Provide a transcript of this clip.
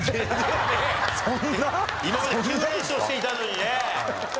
今まで９連勝していたのにね。